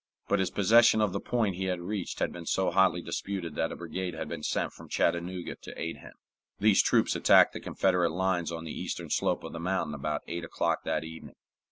But his possession of the point he had reached had been so hotly disputed that a brigade had been sent from Chattanooga to aid him. These troops attacked the Confederate lines on the eastern slope of the mountain about eight o'clock that evening.